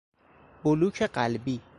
بلوک قلبی